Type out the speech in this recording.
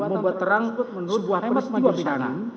membuat terang sebuah peristiwa pidana